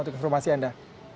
untuk informasi anda